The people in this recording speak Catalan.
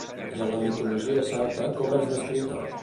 I en la mitologia celta, com és descrita?